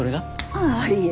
ああいえ。